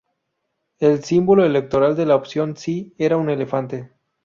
El símbolo electoral de la opción "Si" era un elefante.